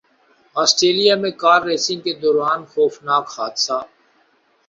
Australia میں car racing کے دوران خوفناک حادثہ